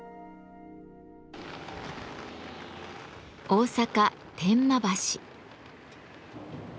大阪・天満橋。